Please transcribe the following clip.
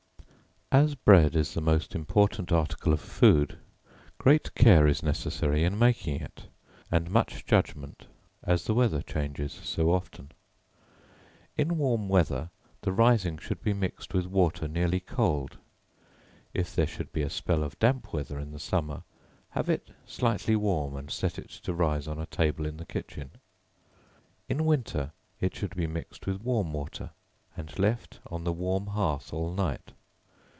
As bread is the most important article of food, great care is necessary in making it, and much judgment, as the weather changes so often. In warm weather, the rising should be mixed with water nearly cold; if there should be a spell of damp weather in the summer, have it slightly warm and set it to rise on a table in the kitchen. In winter it should be mixed with warm water, and left on the warm hearth all night.